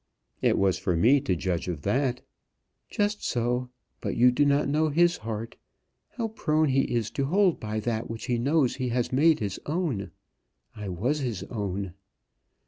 "It was for me to judge of that." "Just so. But you do not know his heart. How prone he is to hold by that which he knows he has made his own. I was his own."